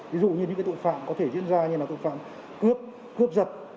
ví dụ như những tội phạm có thể diễn ra như là tội phạm cướp cướp giật